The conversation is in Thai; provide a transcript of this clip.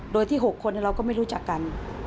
โดยที่๖คนเราก็ไม่รู้จักกัน